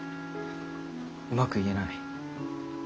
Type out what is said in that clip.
うまく言えない。